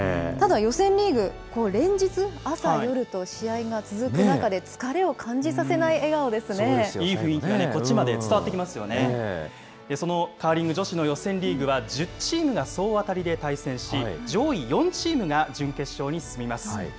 ただ、予選リーグ、連日朝、夜と試合が続く中で、疲れを感じさせいい雰囲気がこっちまで伝わそのカーリング女子の予選リーグは、１０チームが総当たりで対戦し、上位４チームが準決勝に進みます。